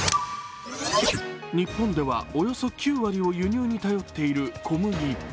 日本ではおよそ９割を輸入に頼っている小麦。